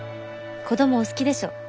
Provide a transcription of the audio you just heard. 子供お好きでしょ？